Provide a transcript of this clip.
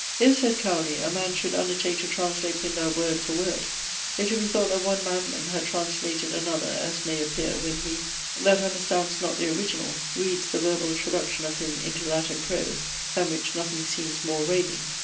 "If," (says Cowley), "a man should undertake to translate Pindar, word for word, it would be thought that one madman had translated another as may appear, when he, that understands not the original, reads the verbal traduction of him into Latin prose, than which nothing seems more raving."